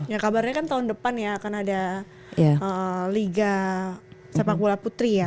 ya kabarnya kan tahun depan ya akan ada liga sepak bola putri ya